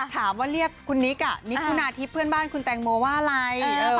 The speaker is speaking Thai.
ถามว่าเรียกคุณนิกนิกคุณาทิพย์เพื่อนบ้านคุณแตงโมว่าอะไร